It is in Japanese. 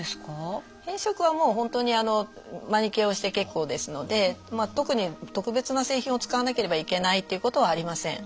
変色はもう本当にあのマニキュアをして結構ですので特に特別な製品を使わなければいけないっていうことはありません。